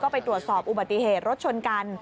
ไปตรวจสอบอุบัติเหตุรถชนกัน